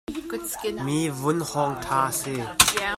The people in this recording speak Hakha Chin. Mi vunhawng ṭha a si.